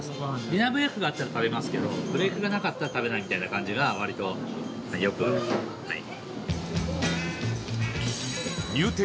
ディナーブレイクがあったら食べますけどブレイクがなかったら食べないみたいな感じが割とよくあるはい